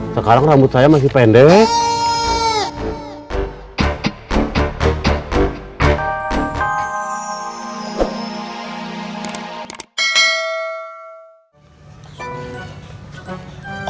sekarang rambut saya masih pendek